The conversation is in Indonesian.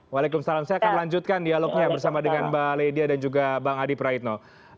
waalaikumsalam saya akan lanjutkan dialognya bersama dengan mbak ledia dan juga bang adi praitno